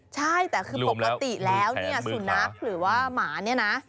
ใช่แต่คือปกติแล้วเนี่ยสุนัขหรือว่าหมาเนี่ยนะ